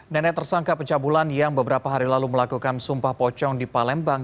nenek tersangka pencabulan yang beberapa hari lalu melakukan sumpah pocong di palembang